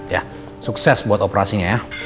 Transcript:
ya sukses buat operasinya ya